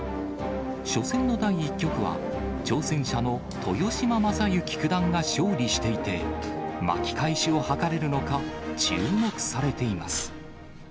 初戦の第１局は、挑戦者の豊島将之九段が勝利していて、巻き返しを図れるのか、注目されています。